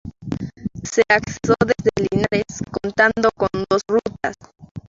Se acceso desde Linares, contando con dos rutas.